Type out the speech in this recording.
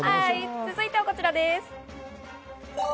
続いてはこちらです。